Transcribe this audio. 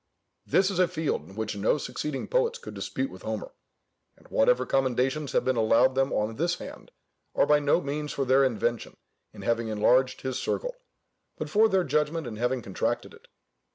This is a field in which no succeeding poets could dispute with Homer, and whatever commendations have been allowed them on this head, are by no means for their invention in having enlarged his circle, but for their judgment in having contracted it.